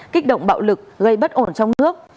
kích động bạo lực gây bất ổn trong nước